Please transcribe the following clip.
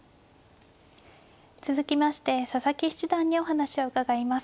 続きまして佐々木七段にお話を伺います。